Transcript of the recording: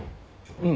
うん。